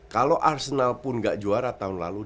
kalau arsenal pun gak juara tahun lalu